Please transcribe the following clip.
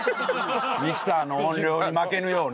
ミキサーの音量に負けるよね。